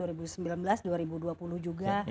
dua ribu sembilan belas dua ribu dua puluh juga